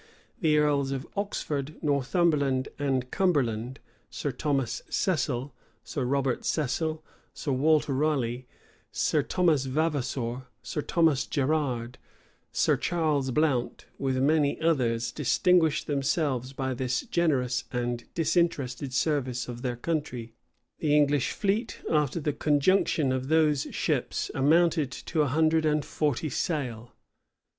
The earls of Oxford, Northumberland, and Cumberland, Sir Thomas Cecil, Sir Robert Cecil, Sir Walter Raleigh, Sir Thomas Vavasor, Sir Thomas Gerrard, Sir Charles Blount, with many others, distinguished themselves by this generous and disinterested service of their country. The English fleet, after the conjunction of those ships, amounted to a hundred and forty sail.